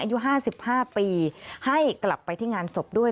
อายุ๕๕ปีให้กลับไปที่งานศพด้วย